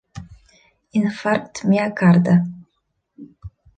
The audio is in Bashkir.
Инфаркт миокарда.